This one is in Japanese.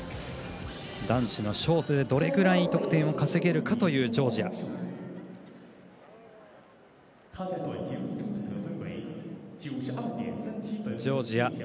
男子のショートでどれぐらい得点を稼げるかというジョージア。